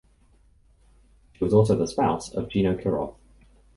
She was also the spouse of Geno Kirov.